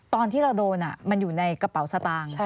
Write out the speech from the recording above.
ตอนที่เราโดนมันอยู่ในกระเป๋าสตางค์